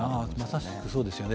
まさしくそうですね。